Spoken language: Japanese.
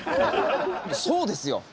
そうですよ！